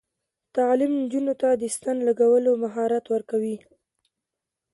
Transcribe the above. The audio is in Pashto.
تعلیم نجونو ته د ستن لګولو مهارت ورکوي.